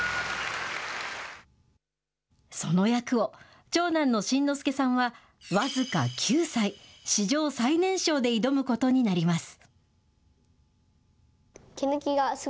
その役を、長男の新之助さんは、僅か９歳、史上最年少で挑むことになります。